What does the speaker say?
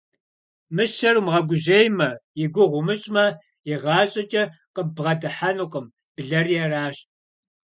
Мыщэр умыгъэгужьеймэ, и гугъу умыщӀмэ, игъащӀэкӀэ къыббгъэдыхьэнукъым, блэри аращ.